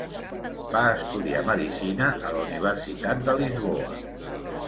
Va estudiar medicina a la Universitat de Lisboa.